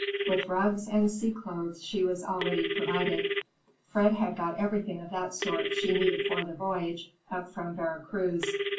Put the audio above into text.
With rugs and sea clothes she was already provided; Fred had got everything of that sort she needed for the voyage up from Vera Cruz.